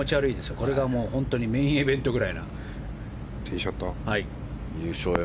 これが本当にメインイベントぐらいの。